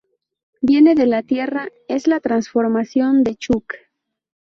Viene de la tierra, es la transformación de Chuck.